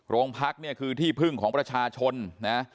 โรงพักเนี่ยคือที่พึ่งของประชาชนนะ